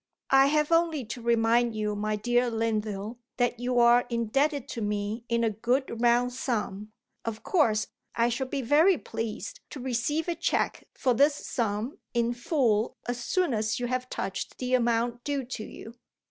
"I have only to remind you, my dear Linville, that you are indebted to me in a good round sum. Of course, I shall be very pleased to receive a cheque for this sum in full as soon as you have touched the amount due to you.